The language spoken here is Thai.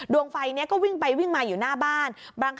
ดวงไฟนี้ก็วิ่งไปวิ่งมาอยู่หน้าบ้าน